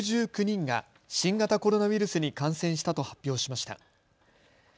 ６９人が新型コロナウイルスに感染したと発表しました。